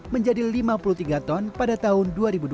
menjadi lima puluh tiga ton pada tahun dua ribu dua puluh